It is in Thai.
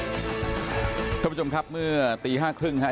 ทุกคุณผู้ชมครับเมื่อตีห้าครึ่งครับ